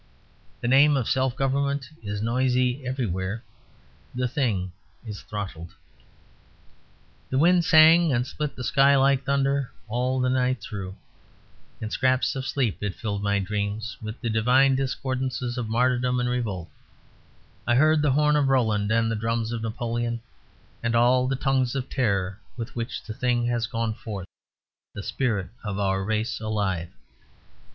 The name of self government is noisy everywhere: the Thing is throttled. The wind sang and split the sky like thunder all the night through; in scraps of sleep it filled my dreams with the divine discordances of martyrdom and revolt; I heard the horn of Roland and the drums of Napoleon and all the tongues of terror with which the Thing has gone forth: the spirit of our race alive.